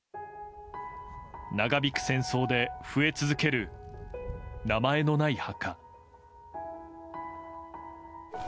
長引く戦争で増え続ける名前のない墓。